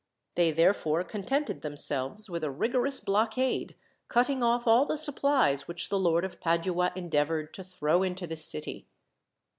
They therefore contented themselves with a rigorous blockade, cutting off all the supplies which the Lord of Padua endeavoured to throw into the city.